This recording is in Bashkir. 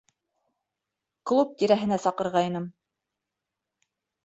Клуб тирәһенә саҡырғайным...